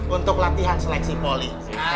untuk latihan seleksi poli